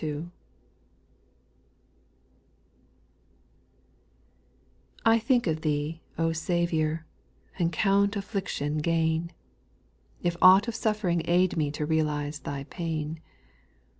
T THINK of Thee, O Saviour, X And count affliction gain, If aught of suffering aid me To realize Thy pain.